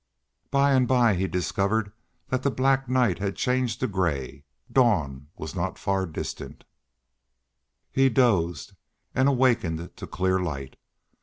By and by he discovered that the black night had changed to gray; dawn was not far distant; he dozed and awakened to clear light.